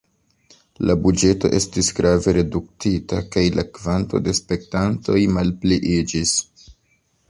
La buĝeto estis grave reduktita kaj la kvanto de spektantoj malpliiĝis.